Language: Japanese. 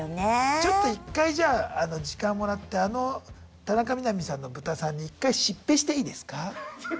ちょっと一回じゃあ時間もらってあの田中みな実さんのブタさんに一回しっぺしていいですか？